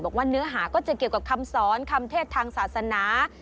บอกว่าเนื้อหาก็จะเกี่ยวกับคำสอนคำเทศทางศาสนา